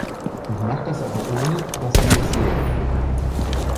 Ich mach das aber ohne, dass die es sehen